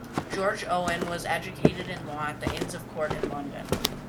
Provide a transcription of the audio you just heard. George Owen was educated in law at the Inns of Court in London.